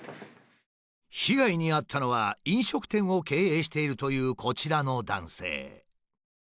被害に遭ったのは飲食店を経営しているというこちらの男性。